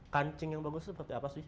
kancing yang bagus itu seperti apa sih